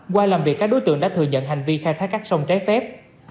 qua làm việc các đối tượng đã thừa nhận hành vi khai thác các sông trái phép